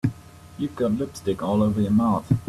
You've got lipstick all over your mouth.